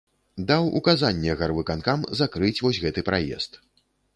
Даў указанне гарвыканкам закрыць вось гэты праезд.